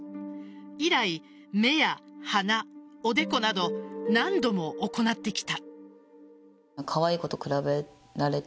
以来、目や鼻、おでこなど何度も行ってきた。